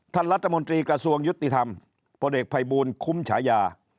ท่านรัฐมนตรีกระทรวงยุติธรรมพลเอกภัยบูลคุ้มฉายา